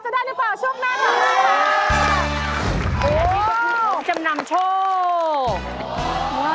จะได้ดีกว่าช่วงหน้าของเราค่ะ